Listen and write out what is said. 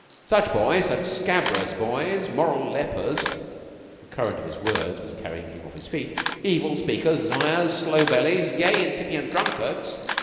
Such boys, scabrous boys, moral lepers the current of his words was carrying King off his feet evil speakers, liars, slow bellies yea, incipient drunkards...